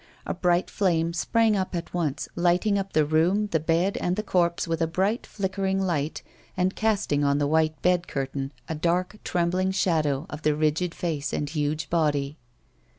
A brighl flame sprang up at once, lighting up the room, the bed and the corpse with a bright, flickering light, and casting on the white bed curtain a dark, trembling shadow of the rigid face and huge body.